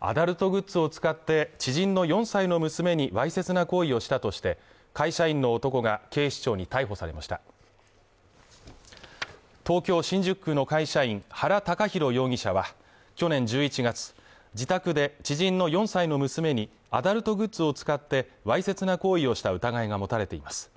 アダルトグッズを使って知人の４歳の娘にわいせつな行為をしたとして会社員の男が警視庁に逮捕されました東京・新宿区の会社員原高弘容疑者は去年１１月自宅で知人の４歳の娘にアダルトグッズを使ってわいせつな行為をした疑いが持たれています